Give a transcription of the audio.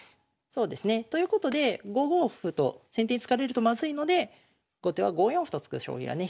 そうですねということで５五歩と先手に突かれるとまずいので後手は５四歩と突く将棋がね